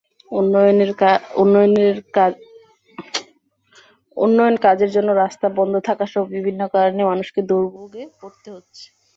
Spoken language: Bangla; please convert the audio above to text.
উন্নয়নকাজের জন্য রাস্তা বন্ধ থাকাসহ বিভিন্ন কারণে মানুষকে দুর্ভোগে পড়তে হচ্ছে।